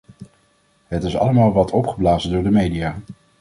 Het is allemaal wat opgeblazen door de media.